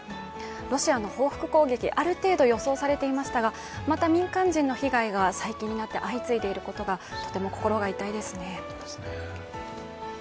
ロシアの報復攻撃、ある程度予想されていましたが、また民間人の被害が最近になって相次いでいることがとても心が痛いですね。